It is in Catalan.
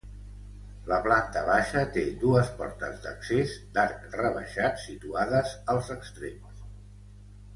La planta baixa té dues portes d'accés d'arc rebaixat situades als extrems.